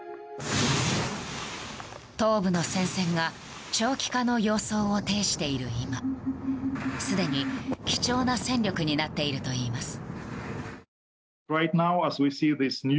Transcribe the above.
東部の戦線が長期化の様相を呈している今すでに貴重な戦力になっているといいます。